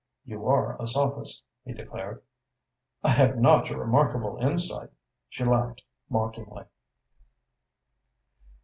"You are a sophist," he declared. "I have not your remarkable insight," she laughed mockingly.